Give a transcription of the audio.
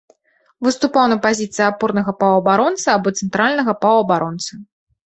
Выступаў на пазіцыі апорнага паўабаронцы або цэнтральнага паўабаронцы.